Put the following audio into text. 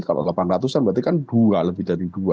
kalau delapan ratus an berarti kan dua lebih dari dua